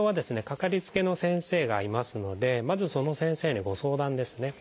かかりつけの先生がいますのでまずその先生にご相談ですね。